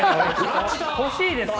欲しいですか？